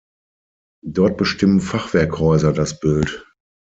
Dort bestimmen Fachwerkhäuser das Bild.